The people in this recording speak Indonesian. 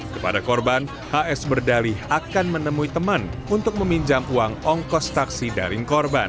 kepada korban hs berdalih akan menemui teman untuk meminjam uang ongkos taksi daring korban